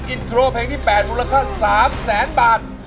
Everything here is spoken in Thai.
อิตรโรปเพลงที่๘หมูราค่า๓๐๐บาท